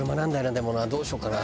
でもなどうしようかな？